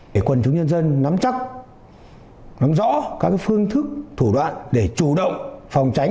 để quần chúng nhân dân nắm chắc nắm rõ các phương thức thủ đoạn để chủ động phòng tránh